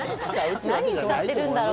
何に使ってるんだろう？